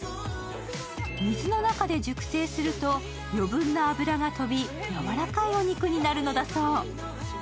水の中で熟成すると余分の脂が飛びやわらかいお肉になるのだそう。